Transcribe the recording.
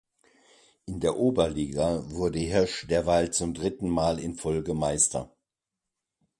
In der Oberliga wurde Hirsch derweil zum dritten Mal in Folge Meister.